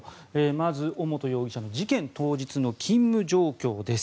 まず尾本容疑者の事件当日の勤務状況です。